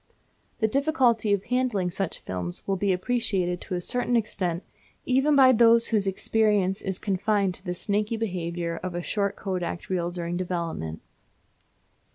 The difficulty of handling such films will be appreciated to a certain extent even by those whose experience is confined to the snaky behaviour of a short Kodak reel during development.